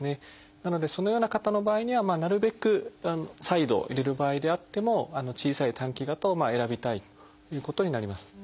なのでそのような方の場合にはなるべく再度入れる場合であっても小さい短期型を選びたいということになります。